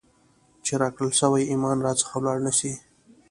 چي راکړل سوئ ایمان را څخه ولاړ نسي ،